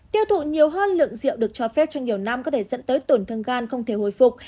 tiêu thụ nhiều hơn lượng rượu được cho phép trong nhiều năm có thể dẫn tới tổn thương gan không thể hồi phục